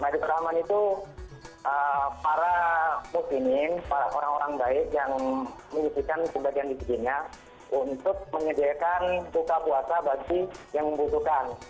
ma'idah surahman itu para muslimin para orang orang baik yang menyusulkan kebagian di sejenya untuk menyediakan tukar puasa bagi yang membutuhkan